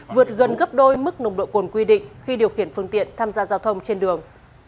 vượt gần gấp đôi mức nồng độ cồn quy định khi điều khiển phương tiện tham gia giao thông trên đường